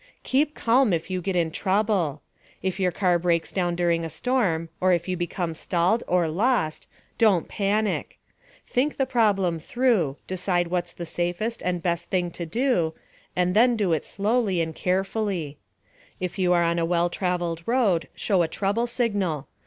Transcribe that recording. * KEEP CALM IF YOU GET IN TROUBLE. If your car breaks down during a storm, or if you become stalled or lost, don't panic. Think the problem through, decide what's the safest and best thing to do, and then do it slowly and carefully. If you are on a well traveled road, show a trouble signal.